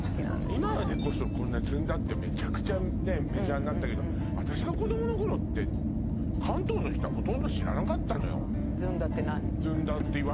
今でこそこんなずんだってメチャクチャねメジャーになったけど私が子供の頃って関東の人はほとんど知らなかったのよずんだって何？